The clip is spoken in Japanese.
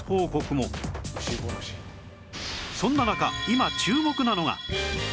そんな中今注目なのが